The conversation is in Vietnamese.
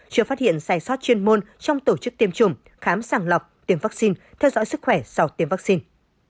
chưa phát hiện sai sót chuyên môn trong tổ chức tiêm chủng khám sàng lọc tiêm vaccine theo dõi sức khỏe sau tiêm vaccine